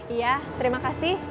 iya terima kasih